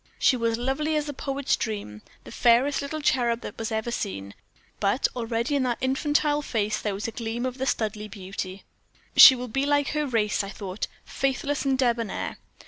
She was lovely as a poet's dream, the fairest little cherub that was ever seen; but already in that infantile face there was a gleam of the Studleigh beauty. 'She will be like her race,' I thought, 'faithless and debonair.'